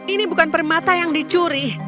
ini bukan permata yang dicuri